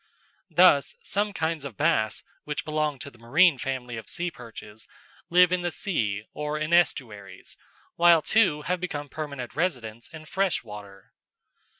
Thus some kinds of bass, which belong to the marine family of sea perches, live in the sea or in estuaries, while two have become permanent residents in fresh water.